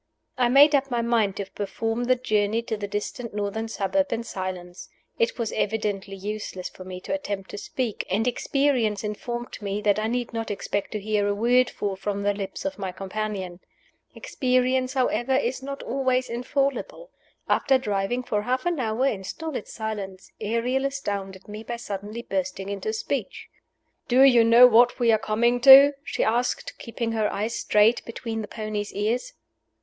I made up my mind to perform the journey to the distant northern suburb in silence. It was evidently useless for me to attempt to speak, and experience informed me that I need not expect to hear a word fall from the lips of my companion. Experience, however, is not always infallible. After driving for half an hour in stolid silence, Ariel astounded me by suddenly bursting into speech. "Do you know what we are coming to?" she asked, keeping her eyes straight between the pony's ears.